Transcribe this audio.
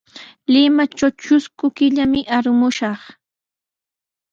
Limatraw trusku killami arumushaq.